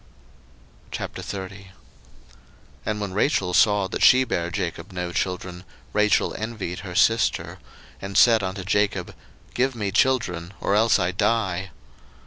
01:030:001 And when Rachel saw that she bare Jacob no children, Rachel envied her sister; and said unto Jacob, Give me children, or else I die.